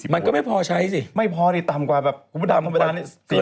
มันก็ไม่พอใช้สิไม่พอดีต่ำกว่าแบบประมาณ๔๘๐๐